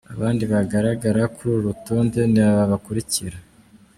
Abandi bagagara kuri uru rotonde ni aba bakurikira:.